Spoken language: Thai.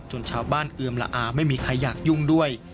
ชาวบ้านเอือมละอาไม่มีใครอยากยุ่งด้วย